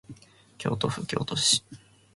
京都府京都市